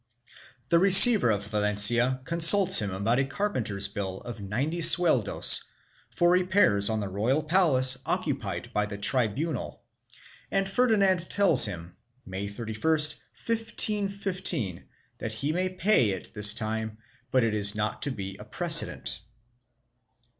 The receiver of Valencia consults him about a carpenter's bill of ninety sueldos for repairs on the royal palace occupied by the tribunal and Ferdinand tells him, May 31, 1515, that he may pay it this time, but it is not to be a precedent.